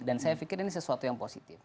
dan saya pikir ini sesuatu yang positif